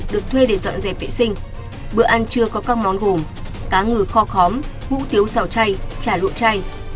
được thuê để dọn dẹp vệ sinh bữa ăn chưa có các món gồm cá ngừ kho khóm hũ tiếu xào chay trà lụa chay